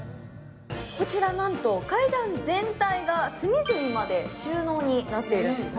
こちら、なんと階段全体が隅々まで収納になっているんですね。